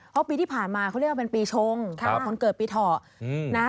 เพราะปีที่ผ่านมาเขาเรียกว่าเป็นปีชงคนเกิดปีเถาะนะ